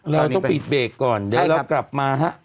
เราต้องปิดเบรกก่อนเดี๋ยวเรากลับมาฮะ